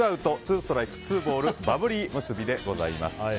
ストライク２ボールバブリーむすびでございます。